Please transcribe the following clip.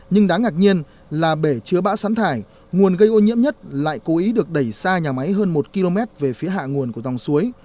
nhưng đáng ngạc nhiên là bể chứa bãi sắn thải nguồn gây ô nhiễm nhất lại cố ý được đẩy xa nhà máy hơn một km về phía hạ nguồn của dòng suối